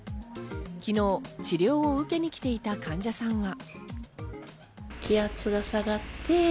昨日、治療を受けに来ていた患者さんは。